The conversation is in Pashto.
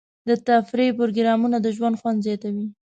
د تفریح پروګرامونه د ژوند خوند زیاتوي.